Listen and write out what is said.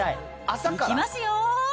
いきますよ。